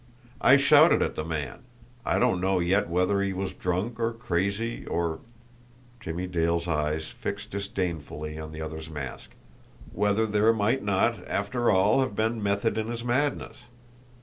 I shouted at the man. I don't know yet whether he was drunk or crazy or" Jimmie Dale's eyes fixed disdainfully on the other's mask "whether there might not, after all, have been method in his madness.